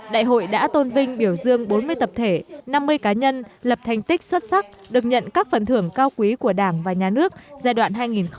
đại hội đã tôn vinh biểu dương bốn mươi tập thể năm mươi cá nhân lập thành tích xuất sắc được nhận các phần thưởng cao quý của đảng và nhà nước giai đoạn hai nghìn một mươi năm hai nghìn hai mươi